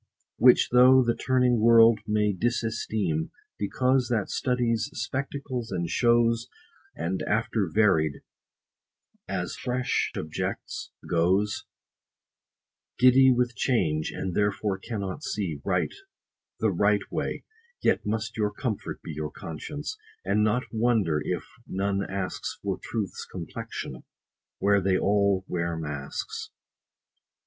Which though the turning world may disesteem, Because that studies spectacles and shows, And after varied, as fresh objects, goes, Giddy with change, and therefore cannot see Right, the right way ; yet must your comfort be Your conscience, and not wonder if none asks 60 For truth's complexion, where they all wear masks.